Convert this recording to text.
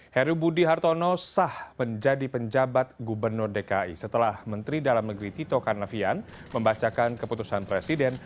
heru budi hartono sah menjadi penjabat gubernur dki setelah menteri dalam negeri tito karnavian membacakan keputusan presiden